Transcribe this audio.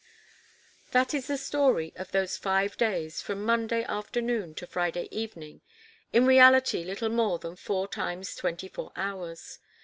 That is the story of those five days, from Monday afternoon to Friday evening, in reality little more than four times twenty four hours.